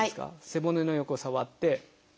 背骨の横触って。